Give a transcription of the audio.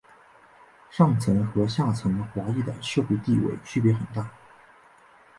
上层和下层华裔的社会地位区别很大。